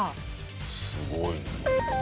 すごいね。